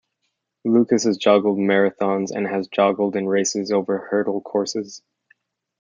Lucas has joggled marathons, and has joggled in races over hurdle courses.